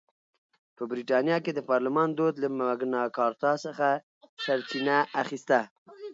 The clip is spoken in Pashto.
په برېټانیا کې د پارلمان دود له مګناکارتا څخه سرچینه اخیسته.